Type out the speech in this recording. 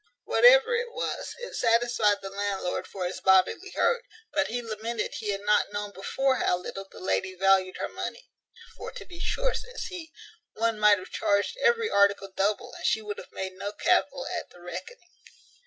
Whatever it was, it satisfied the landlord for his bodily hurt; but he lamented he had not known before how little the lady valued her money; "For to be sure," says he, "one might have charged every article double, and she would have made no cavil at the reckoning."